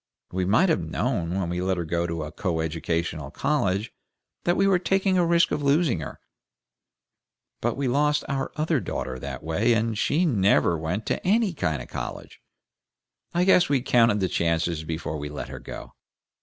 We might have known when we let her go to a coeducational college that we were taking a risk of losing her; but we lost our other daughter that way, and SHE never went to ANY kind of college. I guess we counted the chances before we let her go.